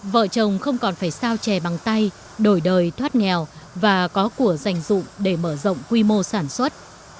vợ chồng không còn phải sao trè bằng tay đổi đời thoát nghèo và có của dành dụng để mở rộng quy mô sản xuất